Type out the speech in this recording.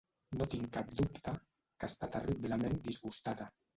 No tinc cap dubte que està terriblement disgustada.